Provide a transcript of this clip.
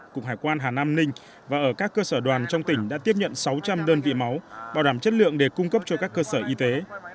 cục hải quan hà nam ninh và ở các cơ sở đoàn trong tỉnh đã tiếp nhận sáu trăm linh đơn vị máu bảo đảm chất lượng để cung cấp cho các cơ sở y tế